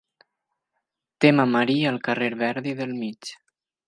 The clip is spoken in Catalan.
Tema marí al carrer Verdi del mig.